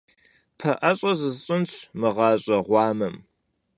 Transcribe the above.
ПэӀэщӀэ зысщӀынщ мы гъащӀэ гъуамэм.